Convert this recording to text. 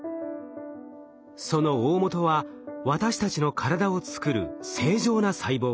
そのおおもとは私たちの体を作る正常な細胞。